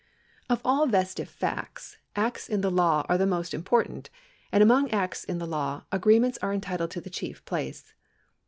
Of all vestitivc facts, acts in the law are the most impor tant ; and among acts in the law, agreements are entitled to the chief place.